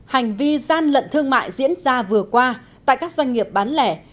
hành vi gian lận thương mại diễn ra vừa qua tại các doanh nghiệp bán lẻ